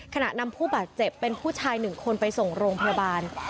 นำผู้บาดเจ็บเป็นผู้ชาย๑คนไปส่งโรงพยาบาล